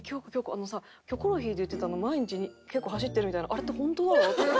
あのさ『キョコロヒー』で言ってた毎日結構走ってるみたいなあれってホントなの？」。